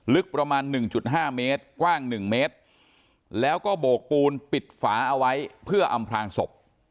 ลึกประมาณหนึ่งจุดห้าเมตรกว้างหนึ่งเมตรแล้วก็โบกปูนปิดฝาเอาไว้เพื่ออำพรางศพ